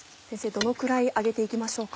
どのくらい揚げて行きましょうか？